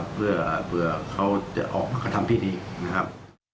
เพื่อเขาจะออกมาทำที่ดีนะครับ